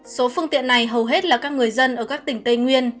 số phương tiện này hầu hết là các người dân ở các tỉnh tây nguyên